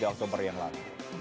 oktober yang lain